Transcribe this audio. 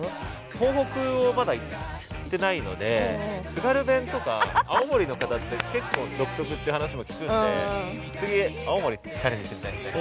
東北をまだ行ってないので津軽弁とか青森の方って結構独特っていう話も聞くんで次青森チャレンジしてみたいですね。